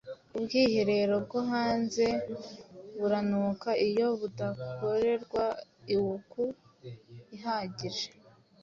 Ubwiherero bwo hanze buranuka iyo budakorerwa iuku ihagije